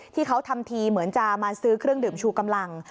ที่เขาทำทีเหมือนจะมาซื้อเครื่องดื่มชูกำลัง